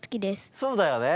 そうだよね。